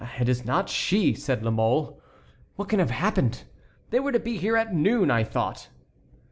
"It is not she," said La Mole. "What can have happened? They were to be here at noon, I thought."